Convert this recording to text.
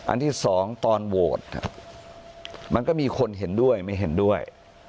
ที่สองตอนโหวตมันก็มีคนเห็นด้วยไม่เห็นด้วย